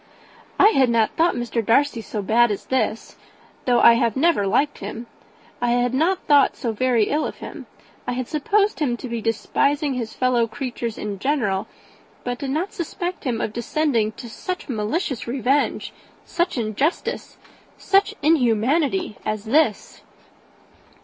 "I had not thought Mr. Darcy so bad as this though I have never liked him, I had not thought so very ill of him I had supposed him to be despising his fellow creatures in general, but did not suspect him of descending to such malicious revenge, such injustice, such inhumanity as this!"